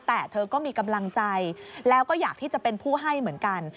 แต่เธอก็มีกำลังใจแล้วก็อยากที่จะเป็นผู้ให้เหมือนกัน